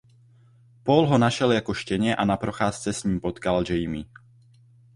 Paul ho našel jako štěně a na procházce s ním potkal Jamie.